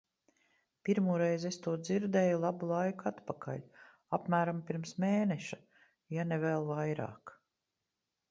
Pirmoreiz es to dzirdēju labu laiku atpakaļ, apmēram pirms mēneša, ja ne vēl vairāk.